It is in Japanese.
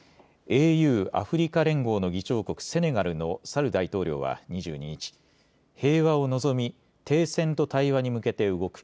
ＡＵ・アフリカ連合の議長国セネガルのサル大統領は２２日、平和を望み、停戦と対話に向けて動く。